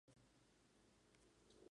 La oruga se alimenta por la noche.